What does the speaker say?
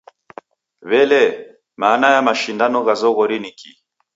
W'ele lee, mana ya mashindano gha zoghori ni kii?